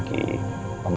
pengisian ke dokter